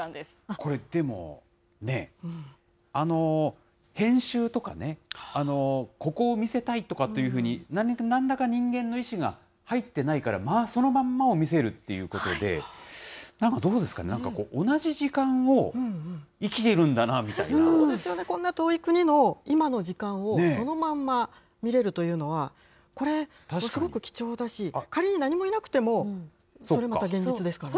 これでも、ねぇ、編集とかね、ここを見せたいとかっていうふうに、なんらか人間の意思が入ってないから、そのまんまを見せるっていうことで、なんかどうですかね、なんか、同じ時間を生きてるこんな遠い国の今の時間をそのまんま見れるというのは、これ、すごく貴重だし、仮に何もいなくても、これまた現実ですからね。